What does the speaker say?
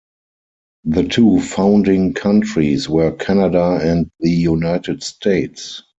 The two founding countries were Canada and the United States.